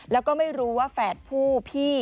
แล้วก็ไม่รู้ว่าแฝดผู้พี่